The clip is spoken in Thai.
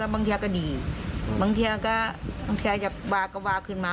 บางทีก็ดีบางทีก็อยากว่าก็ว่าขึ้นมา